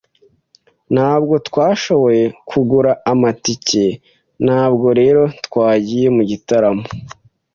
Ntabwo twashoboye kugura amatike, ntabwo rero twagiye mu gitaramo.